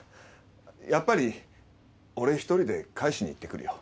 やっぱり俺一人で返しに行ってくるよ。